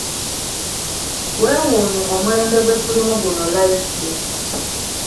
Weewuunye omulembe gwe tulimu guno Livesey!